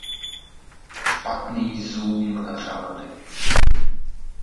Špatný Zoom na řádek.